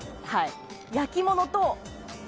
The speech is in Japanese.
焼き物と。